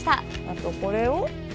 あとこれを。